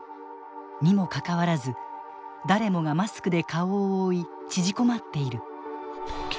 にもかかわらず誰もがマスクで顔を覆い縮こまっている。